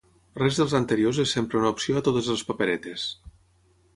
Res dels anteriors és sempre una opció a totes les paperetes.